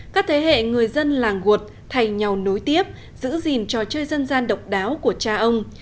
các thế hệ người dân làng gột thay nhau nối tiếp giữ gìn trò chơi dân gian độc đáo của cha ông